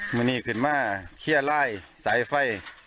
มงานี่ขึ้นมาเขี้ยไลสายไฟ